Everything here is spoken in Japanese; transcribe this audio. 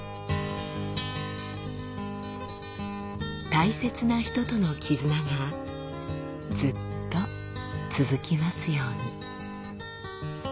大切な人との絆がずっと続きますように。